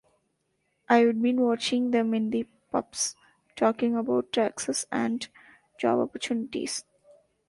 I'd been watching them in the pubs, talking about taxes and job opportunities.